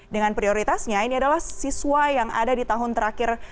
dengan prioritasnya ini adalah siswa yang ada di tahun terakhir